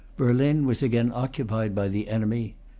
Berlin was again occupied by the enemy.